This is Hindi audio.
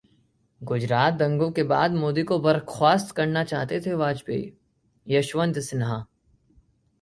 गुजरात दंगों के बाद मोदी को बर्खास्त करना चाहते थे वाजपेयी: यशवंत सिन्हा